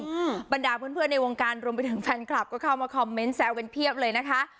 อืมบรรดาเพื่อนเพื่อนในวงการรวมไปถึงแฟนคลับก็เข้ามาคอมเมนต์แซวกันเพียบเลยนะคะ